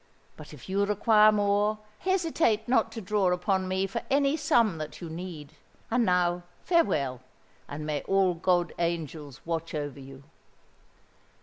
But if you require more, hesitate not to draw upon me for any sum that you need. And now, farewell—and may all good angels watch over you!"